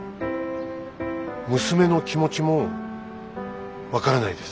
娘の気持ちも分からないです。